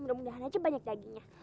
mudah mudahan aja banyak dagingnya